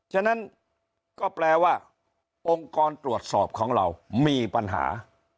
ฉะนั้นก็แปลว่าองค์กรตรวจสอบของเรามีปัญหา